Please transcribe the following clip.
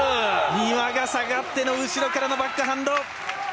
丹羽が下がっての後ろからバックハンド。